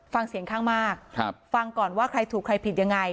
ฟังเสียงข้างมากฟังก่อนว่าใครถูกใครผิดยังไง